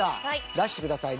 出してください。